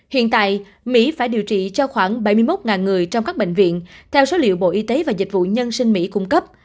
hiện tại mỹ phải điều trị cho khoảng bảy mươi một triệu người và các bệnh viện đều đeo khẩu trang trong không gian kính